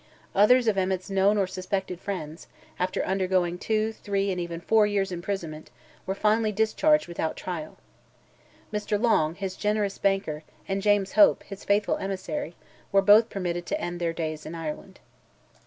Others of Emmet's known or suspected friends, after undergoing two, three, and even four years' imprisonment, were finally discharged without trial. Mr. Long, his generous banker, and James Hope, his faithful emissary, were both permitted to end their days in Ireland.